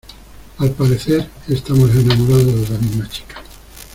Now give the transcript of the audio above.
al parecer, estamos enamorados de la misma chica